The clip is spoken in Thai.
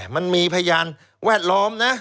มันมีพยานแวดล้อมนะ